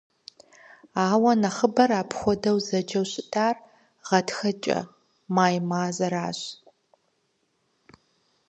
Ауэ нэхъыбэр апхуэдэу зэджэу щытар гъатхэкӀэ «май» мазэращ.